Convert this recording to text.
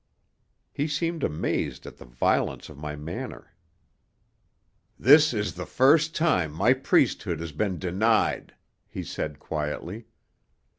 He seemed amazed at the violence of my manner. "This is the first time my priesthood has been denied," he said quietly.